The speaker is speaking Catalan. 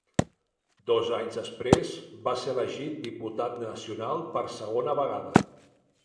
Dos anys després va ser elegit diputat nacional per segona vegada.